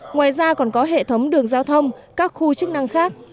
ngoài ra còn có hệ thống đường giao thông các khu chức năng khác